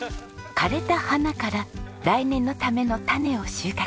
枯れた花から来年のための種を収穫します。